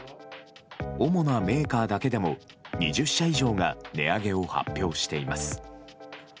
主なメーカーだけでも２０社以上が値上げを発表しています。